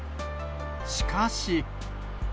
しかし。